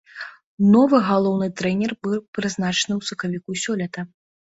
Новы галоўны трэнер быў прызначаны ў сакавіку сёлета.